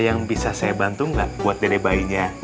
yang bisa saya bantu nggak buat dede bayinya